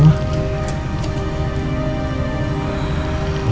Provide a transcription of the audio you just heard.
ini kebijakan kantor